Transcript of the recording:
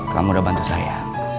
kamu udah bantu saya